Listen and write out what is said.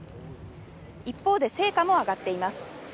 一方で成果も上がっています。